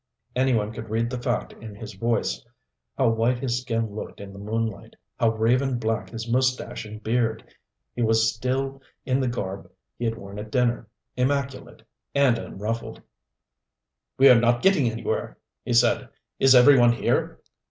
Any one could read the fact in his voice. How white his skin looked in the moonlight, how raven black his mustache and beard! He was still in the garb he had worn at dinner, immaculate and unruffled. "We're not getting anywhere," he said. "Is every one here?"